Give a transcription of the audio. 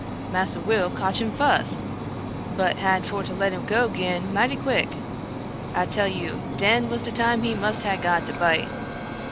Massa Will cotch him fuss, but had for to let him go 'gin mighty quick, I tell you — den was de time he must ha' got de bite.